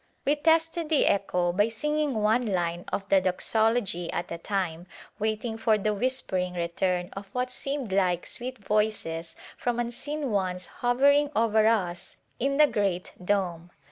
We tested the echo by singing one line of the Doxology at a time waiting for the whispering return of what seemed like sweet voices from unseen ones hovering over us in the great dome.